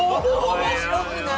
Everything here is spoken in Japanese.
面白くない。